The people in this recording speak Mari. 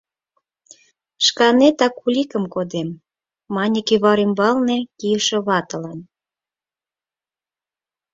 — Шканетак уликым кодем, — мане кӱвар ӱмбалне кийыше ватылан.